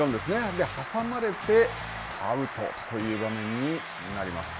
で、挟まれてアウトという場面になります。